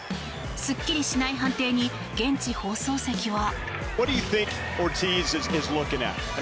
すっきりしない判定に現地放送席は。